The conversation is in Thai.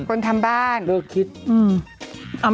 คนทำบ้าน